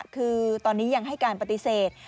คือตอนนี้ยังให้การปฏิเสธ